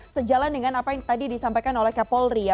sejalan dengan apa yang tadi disampaikan oleh kapolri ya